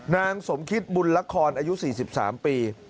นางสมคิดบุญละครอายุ๔๓ปี